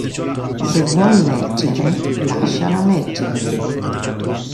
E se vuol leggere, lasciala leggere!